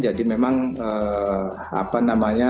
jadi memang apa namanya